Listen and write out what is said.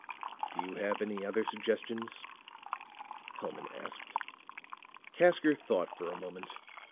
"Do you have any other suggestions?" Hellman asked. Casker thought for a moment.